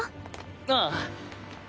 ああ。